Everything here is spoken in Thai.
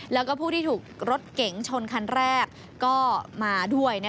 แล้วก็ผู้ที่ถูกรถเก๋งชนคันแรกก็มาด้วย